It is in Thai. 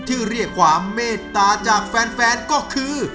เรียกความเมตตาจากแฟนก็คือ